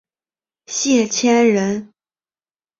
谢迁人。